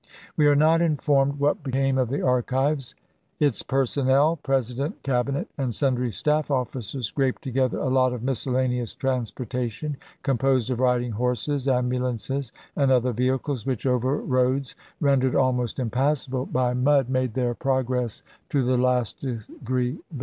We are not informed what became of the archives ; its personnel — President, Cabinet, and sundry staff officers — scraped together a lot of miscellaneous transportation, composed of riding horses, ambulances, and other vehicles, which, over roads rendered almost impassable by mud, made their progress to the last degree vexa CH.